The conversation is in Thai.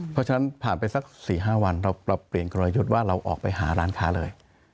เพราะฉะนั้นผ่านไปสัก๔๕วันเราปรับเปลี่ยนกลยุทธ์ว่าเราออกไปหาร้านค้าเลย